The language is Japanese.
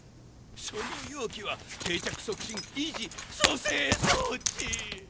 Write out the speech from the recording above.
その容器は定着促進・維持・蘇生装置。